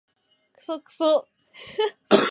クソクソ